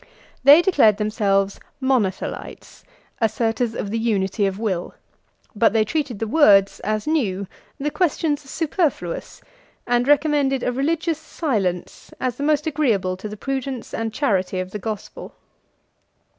They declared themselves Monothelites (asserters of the unity of will), but they treated the words as new, the questions as superfluous; and recommended a religious silence as the most agreeable to the prudence and charity of the gospel.